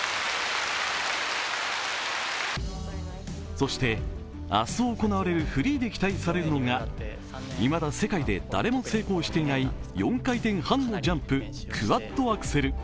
そして明日行われるフリーで期待されるのが未だ世界で誰も成功していない４回転半のジャンプ、クワッドアクセル。